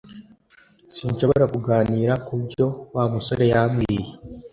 Sinshobora kuganira kubyo Wa musore yambwiye